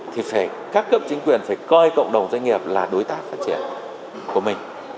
thì các cấp chính quyền phải coi cộng đồng doanh nghiệp là đối tác phát triển của mình